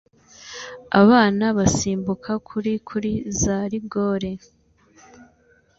Abana basimbuka kuri kuri za rigore